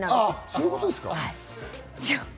そういうことですか。